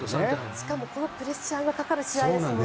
しかもこのプレッシャーがかかる試合ですからね。